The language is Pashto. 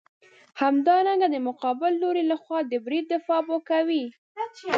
همدارنګه د مقابل لوري لخوا د برید دفاع به کوې.